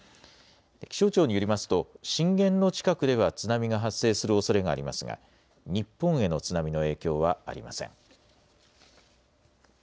気象庁によりますと震源の近くでは津波が発生するおそれがありますが日本への津波の影響はありません。